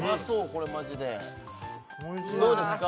これマジでどうですか？